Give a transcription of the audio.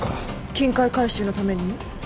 金塊回収のために？